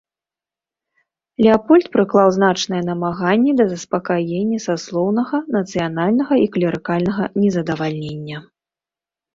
Леапольд прыклаў значныя намаганні да заспакаення саслоўнага, нацыянальнага і клерыкальнага незадавальнення.